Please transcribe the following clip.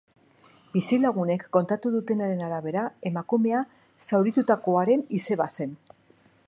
Bizilagunek kontatu dutenaren arabera, emakumea zauritutakoaren izeba zen.